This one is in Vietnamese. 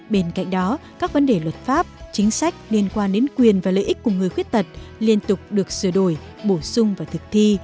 bên cạnh đó các vấn đề luật pháp chính sách liên quan đến quyền và lợi ích của người khuyết tật liên tục được sửa đổi bổ sung và thực thi